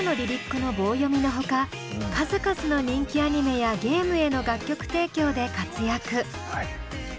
くのぼうよみのほか数々の人気アニメやゲームへの楽曲提供で活躍。